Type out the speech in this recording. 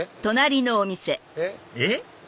えっ？えっ？